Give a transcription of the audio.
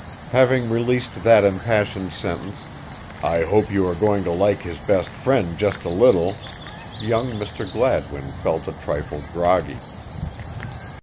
Having released that impassioned sentence, "I hope you are going to like his best friend just a little!" young Mr. Gladwin felt a trifle groggy.